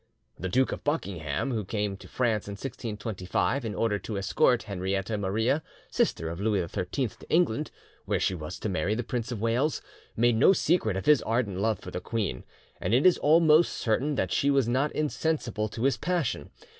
The Duke of Buckingham, who came to France in 1625, in order to escort Henrietta Maria, sister of Louis XIII, to England, where she was to marry the Prince of Wales, made no secret of his ardent love for the queen, and it is almost certain that she was not insensible to his passion.